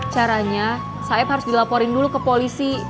caranya saib harus dilaporin dulu ke polisi